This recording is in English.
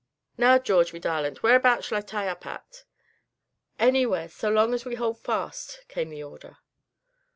Now, George, me darlint, whereabouts shall I tie up at?" "Anywhere, so long as we hold fast," came the order.